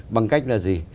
bằng cách là gì